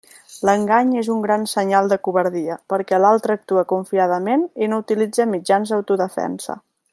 L'engany és un gran senyal de covardia, perquè l'altre actua confiadament i no utilitza mitjans d'autodefensa.